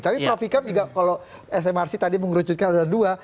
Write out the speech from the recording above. tapi prof ikam juga kalau smrc tadi mengerucutkan ada dua